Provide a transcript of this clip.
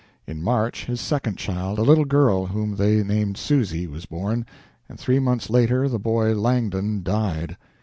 In March his second child, a little girl whom they named Susy, was born, and three months later the boy, Langdon, died.